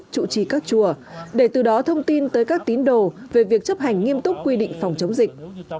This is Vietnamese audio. chủ trì các chùa để từ đó thông tin tới các tín đồ về việc chấp hành nghiêm túc quy định phòng chống dịch